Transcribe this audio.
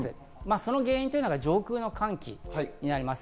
その原因というのが上空の寒気です。